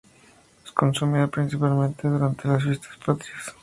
Es consumida principalmente durante las fiestas patrias.